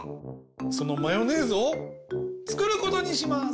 そのマヨネーズをつくることにします！